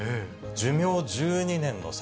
寿命１２年の差。